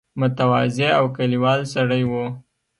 متواضع او کلیوال سړی وو.